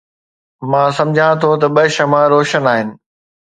مان سمجهان ٿو ته ٻه شمع روشن آهن